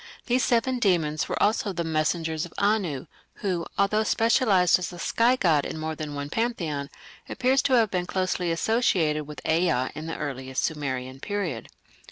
These seven demons were also "the messengers of Anu", who, although specialized as a sky god in more than one pantheon, appears to have been closely associated with Ea in the earliest Sumerian period.